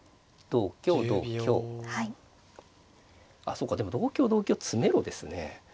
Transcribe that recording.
そうかでも同香同香詰めろですね。